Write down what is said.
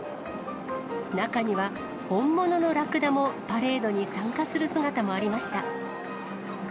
中には、本物のラクダもパレードに参加する姿もありました。